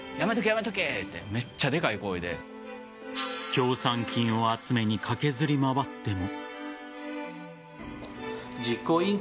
協賛金を集めに駆けずり回っても。